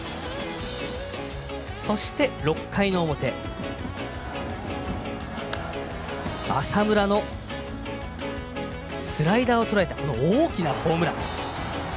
そして、６回の表浅村のスライダーをとらえたこの大きなホームラン。